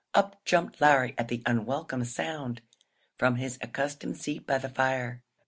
Up jumped Larry at the unwelcome sound, from his accustomed seat by the fire.